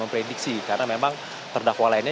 memprediksi karena memang terdakwa lainnya